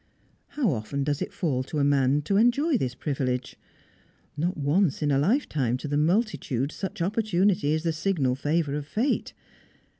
How often does it fall to a man to enjoy this privilege? Not once in a lifetime to the multitude such opportunity is the signal favour of fate.